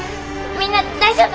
みんな大丈夫？